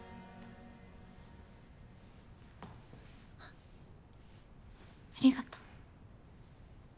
あっありがとう。